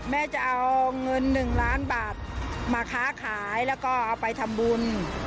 แม่จะเอาเงิน๑ล้านบาทมาค้าขายแล้วก็เอาไปทำบุญ